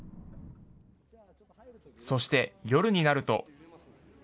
そして夜になると。